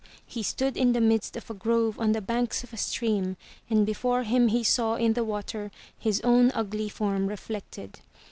he stood in the midst of a grove on the banks of a stream, and before him he saw in the water his own ugly form reflected.